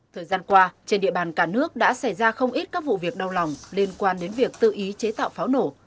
thời gian qua trên địa bàn cả nước đã xảy ra không ít các vụ việc đau lòng liên quan đến việc tự ý chế tạo pháo nổ